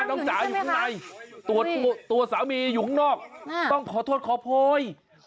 จ๋าอยู่ข้างในตัวสามีอยู่ข้างนอกต้องขอโทษขอโพย